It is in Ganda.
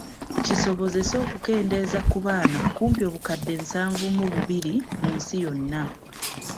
Kisobozese okukendeeza ku baana kumpi obukadde nsanvu mu bubiri mu nsi yonna.